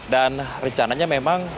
dan rencananya memang